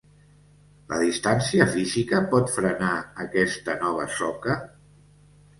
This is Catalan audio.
La distància física pot frenar aquesta nova soca?